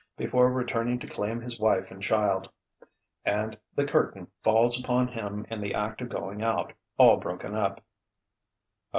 before returning to claim his wife and child. And the Curtain falls upon him in the act of going out, all broken up.